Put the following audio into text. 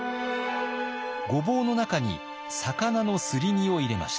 ごぼうの中に魚のすり身を入れました。